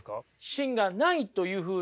芯がないというふうに。